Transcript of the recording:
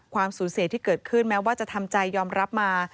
ความสูญเสียที่เกิดขึ้นแม้ว่าจะทำใจยอมรับมา